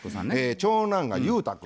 長男が雄太君。